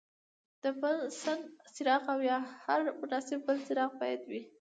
د بنسن څراغ او یا هر مناسب بل څراغ باید وي.